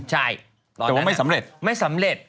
แต่ว่าไม่สำเร็จ